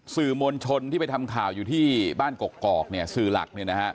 สื่อมณชนที่ไปทำข่าวอยู่ที่บ้านกกอกสื่อหลัก